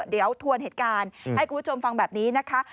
เดี๋ยวทวนเหตุการณ์ให้คุณผู้ชมฟังแบบนี้นะคะ